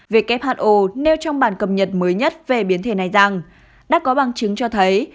who nêu trong bản cập nhật mới nhất về biến thể này rằng đã có bằng chứng cho thấy